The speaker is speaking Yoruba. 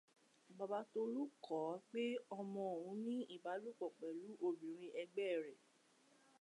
Bàbá Tolú kọ ọ́ pé ọmọ òun ní ìbálòpọ̀ pẹ̀lú obìnrin ẹgbẹ́ rẹ̀.